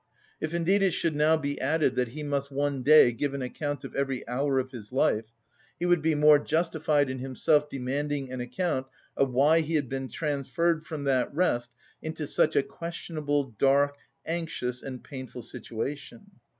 If indeed it should now be added that he must one day give an account of every hour of his life, he would be more justified in himself demanding an account of why he had been transferred from that rest into such a questionable, dark, anxious, and painful situation.